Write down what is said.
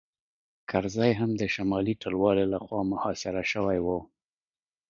کرزی هم د شمالي ټلوالې لخوا محاصره شوی و